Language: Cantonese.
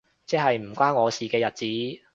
即係唔關我事嘅日子